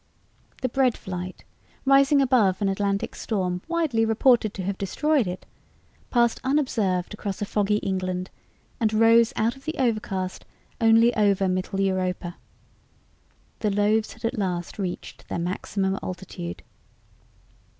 The bread flight, rising above an Atlantic storm widely reported to have destroyed it, passed unobserved across a foggy England and rose out of the overcast only over Mittel europa. The loaves had at last reached their maximum altitude.